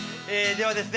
ではですね